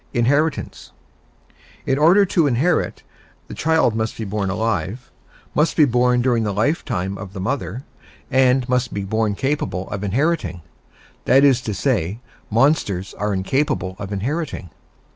INHERITANCE In order to inherit, the child must be born alive, must be born during the lifetime of the mother, and must be born capable of inheriting that is to say, monsters are incapable of inheriting.